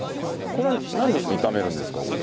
これなんで炒めるんですか？